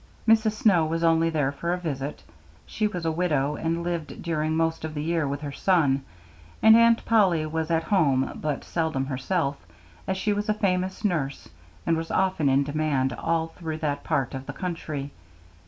Mrs. Snow was only there for a visit; she was a widow, and lived during most of the year with her son; and Aunt Polly was at home but seldom herself, as she was a famous nurse, and was often in demand all through that part of the country.